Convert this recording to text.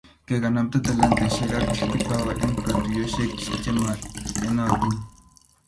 Kekanbta talentaisiek ak kipawa eng katuiyosiek che maiyonotin